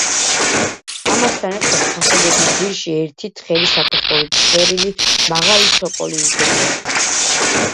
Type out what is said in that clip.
ამასთან ერთად ფასადების ძირში ერთი თხელი საფეხურით შვერილი მაღალი ცოკოლი იკვეთება.